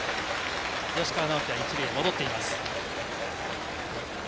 吉川尚輝は１塁に戻っています。